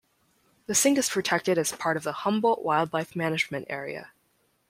The sink is protected as part of the Humboldt Wildlife Management Area.